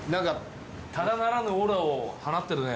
ただならぬオーラを放ってるね